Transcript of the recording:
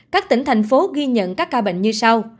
các tỉnh thành phố ghi nhận các ca bệnh như sau